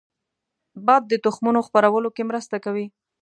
باد د تخمونو خپرولو کې مرسته کوي